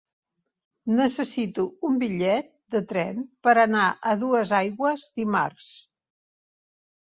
Necessito un bitllet de tren per anar a Duesaigües dimarts.